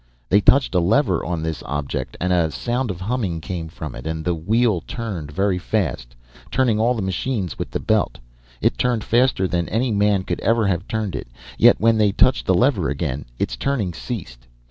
They touched a lever on this object and a sound of humming came from it and the wheel turned very fast, turning all the machines with the belt. It turned faster than any man could ever have turned it, yet when they touched the lever again, its turning ceased.